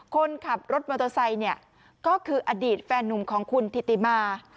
คนขับรถมอเตอร์ไซค์เนี่ยก็คืออดีตแฟนนุ่มของคุณธิติมา